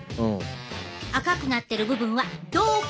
赤くなってる部分は道管。